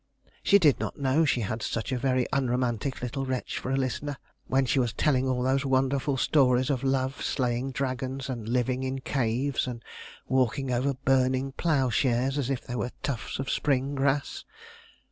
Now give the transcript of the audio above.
She did not know she had such a very unromantic little wretch for a listener, when she was telling all those wonderful stories of Love slaying dragons, and living in caves, and walking over burning ploughshares as if they were tufts of spring grass?"